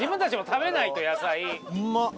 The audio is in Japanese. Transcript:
うまっ！